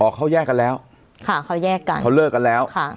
เขาแยกกันแล้วค่ะเขาแยกกันเขาเลิกกันแล้วค่ะ